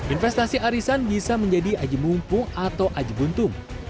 investasi arisan bisa menjadi ajib mumpung atau ajib untung